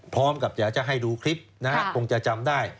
พร้อมกับจะให้ดูคลิปนะครับผมจะจำได้